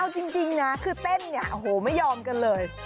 เอาจริงนะคือเต้นเนี่ยโอ้โหไม่ยอมกันเลย